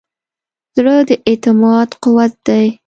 زړه د اعتماد قوت دی.